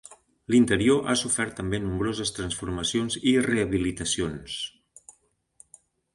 L'interior ha sofert també nombroses transformacions i rehabilitacions.